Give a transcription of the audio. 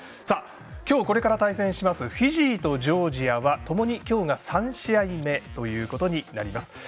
今日、これから対戦しますフィジーとジョージアはともに今日が３試合目ということになります。